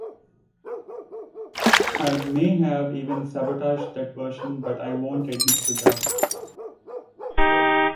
I may have even sabotaged that version but I won't admit to that.